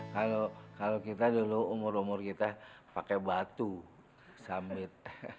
kalau kita dulu umur umur kita pakai batu summit